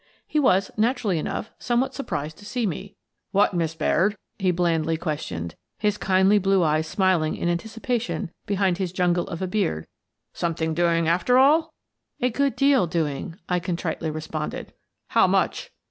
He was, naturally enough, somewhat surprised to see me. " What, Miss Baird," he blandly questioned, his kindly blue eyes smiling in anticipation behind his jungle of a beard, "something doing after all?" " A good deal doing," I contritely responded. "How much?"